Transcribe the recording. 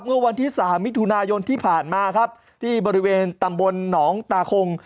เมื่อวันที่สามมิถุนายนที่ผ่านมาครับที่บริเวณตำบลหนองตาคง